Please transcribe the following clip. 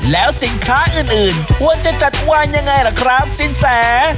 แล้วสินค้าอื่นควรจะจัดวางยังไงล่ะครับสินแส